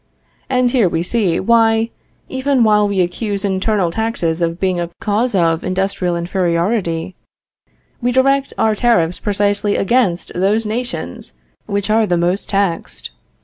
And here we see why (even while we accuse internal taxes of being a cause of industrial inferiority) we direct our tariffs precisely against those nations which are the most taxed.